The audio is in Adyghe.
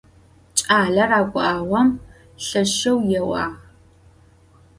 Ç'aler 'eguaom lheşşeu yêuağ.